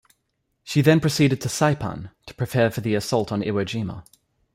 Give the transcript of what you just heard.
She then proceeded to Saipan to prepare for the assault on Iwo Jima.